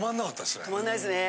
止まんないですね。